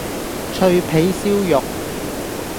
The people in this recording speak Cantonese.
脆皮燒肉